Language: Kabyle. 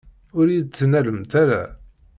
Ur iyi-d-ttnalemt ara!